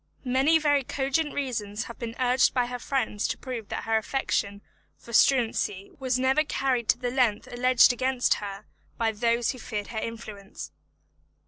Many very cogent reasons have been urged by her friends to prove that her affection for Struensee was never carried to the length alleged against her by those who feared her influence.